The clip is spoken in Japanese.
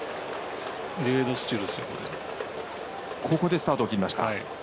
ここでスタートを切りました。